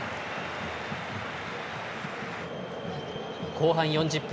後半４０分。